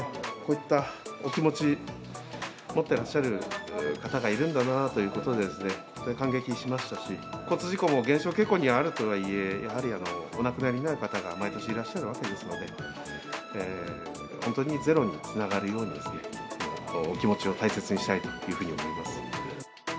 こういったお気持ち、持っていらっしゃる方がいるんだなということで、感激しましたし、交通事故も減少傾向にあるとはいえ、やはりお亡くなりになる方が毎年いらっしゃるわけですので、本当にゼロにつながるように、お気持ちを大切にしたいというふうに思います。